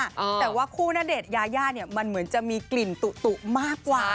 แต่ว่าคู่ณเดชน์ยายาเนี่ยมันเหมือนจะมีกลิ่นตุมากกว่า